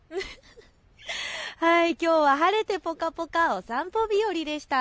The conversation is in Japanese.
きょうは晴れてぽかぽか、お散歩日和でした。